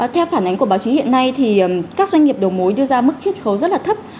theo phản ánh của báo chí hiện nay thì các doanh nghiệp đầu mối đưa ra mức chiết khấu rất là thấp